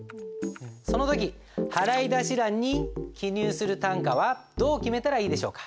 その時払出欄に記入する単価はどう決めたらいいでしょうか？